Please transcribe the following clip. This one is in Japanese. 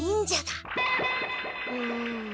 うん。